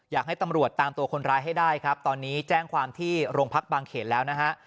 อยากให้ตำรวจตามตัวคนร้ายให้ได้ครับตอนนี้แจ้งความที่โรงพักบางเขตแล้วนะฮะ